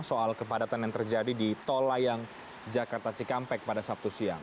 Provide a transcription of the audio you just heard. soal kepadatan yang terjadi di tol layang jakarta cikampek pada sabtu siang